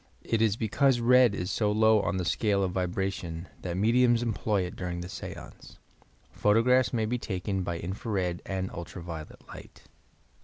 It is because red is so low in the scale of vibration that mediums employ it during the seance. Photo graphs may be taken by infra red and ultra violet light.